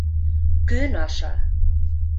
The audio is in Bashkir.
Көн аша.